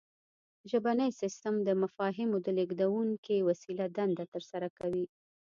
ژبنی سیستم د مفاهیمو د لیږدونکې وسیلې دنده ترسره کوي